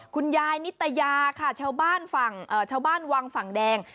คุณยายนิตยาค่ะชาวบ้านวังฝั่งแดง